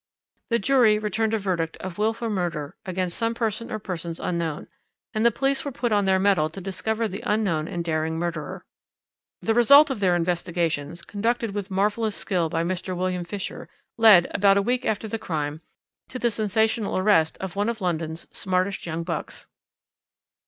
"The jury returned a verdict of wilful murder against some person or persons unknown, and the police were put on their mettle to discover the unknown and daring murderer. The result of their investigations, conducted with marvellous skill by Mr. William Fisher, led, about a week after the crime, to the sensational arrest of one of London's smartest young bucks.